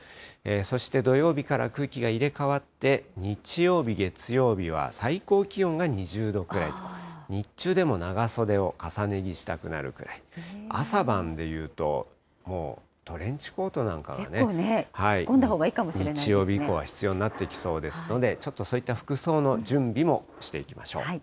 そして土曜日から空気が入れ代わって日曜日、月曜日は最高気温が２０度くらいと、日中でも長袖を重ね着したくなるぐらい、朝晩でいうと、もう、トレンチコートな結構ね、着込んだほうがいい日曜日以降は必要になってきそうですので、ちょっとそういった服装の準備もしていきましょう。